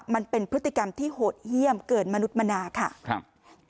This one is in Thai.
มันเป็นพฤติกรรมที่โหดเยี่ยมเกินมนุษย์มนาค่ะครับ